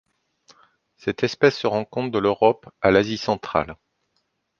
Cette espèce se rencontre de l'Europe à l'Asie centrale.